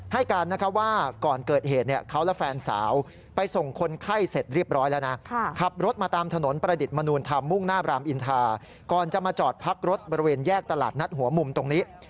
หัวหมุมตรงนี้